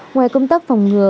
ngoài công tác phòng ngừa